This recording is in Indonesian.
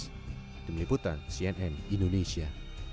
dari meliputan cnn indonesia